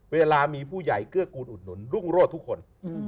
เวลามีผู้ใหญ่เกื้อกูลอุดหนุนรุ่งโรธทุกคน